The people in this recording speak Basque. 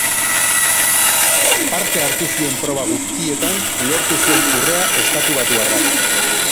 Parte hartu zuen proba guztietan lortu zuen urrea estatubatuarrak.